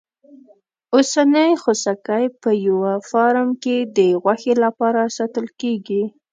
اوسنی خوسکی په یوه فارم کې د غوښې لپاره ساتل کېږي.